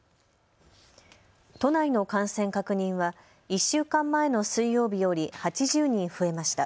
都内の感染確認は１週間前の水曜日より８０人増えました。